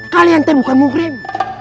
kalian bukan mukrim